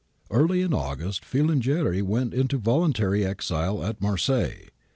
'^ F2arly in August, Filangieri went into voluntary exile at Marseilles.